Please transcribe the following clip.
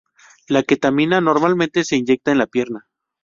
La ketamina normalmente se inyecta en la pierna.